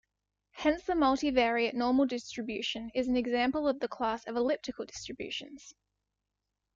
Hence the multivariate normal distribution is an example of the class of elliptical distributions.